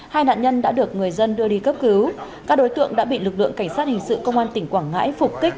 hai nạn nhân đã được người dân đưa đi cấp cứu các đối tượng đã bị lực lượng cảnh sát hình sự công an tỉnh quảng ngãi phục kích